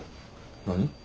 何？